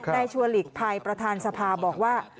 ได้ชวนหลีกภัยประธานสภาบอกว่า